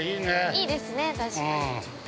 ◆いいですね、確かに。